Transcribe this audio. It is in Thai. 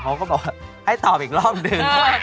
เขาก็บอกว่าให้ตอบอีกรอบหนึ่ง